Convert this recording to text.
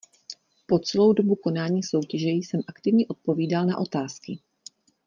Po celou dobu konání soutěže jsem aktivně odpovídal na otázky.